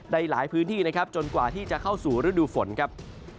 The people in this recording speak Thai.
ในหลายพื้นที่นะครับจนกว่าที่จะเข้าสู่ฤดูฝนครับ